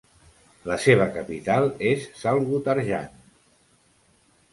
La seva capital és Salgótarján.